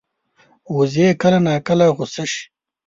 وزې کله ناکله غوسه شي